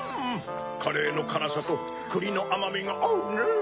カレーのからさとくりのあまみがあうねぇ。